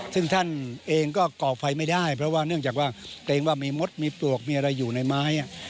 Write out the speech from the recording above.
ซึ่งท่านเองก็ก่อไฟไม่ได้เพราะว่าเนื่องจากว่าเกรงว่ามีมดมีปลวกมีอะไรอยู่ในไม้